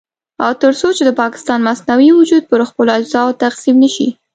او تر څو چې د پاکستان مصنوعي وجود پر خپلو اجزاوو تقسيم نه شي.